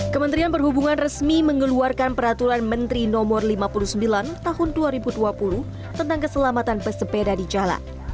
kementerian perhubungan resmi mengeluarkan peraturan menteri no lima puluh sembilan tahun dua ribu dua puluh tentang keselamatan pesepeda di jalan